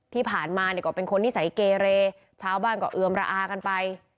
ที่ผ่านมาเนี่ยก็เป็นคนนิสัยเกเรชาวบ้านก็เอือมระอากันไป